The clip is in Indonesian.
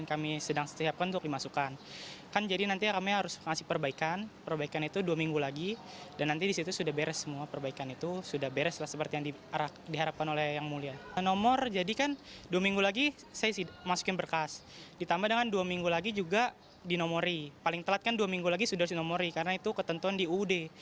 paling telat kan dua minggu lagi sudah harus dinomori karena itu ketentuan di uud